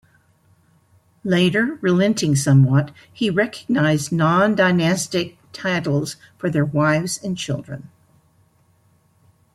Later, relenting somewhat, he recognised non-dynastic titles for their wives and children.